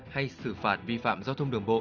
hay xử phạt vi phạm giao thông đường bộ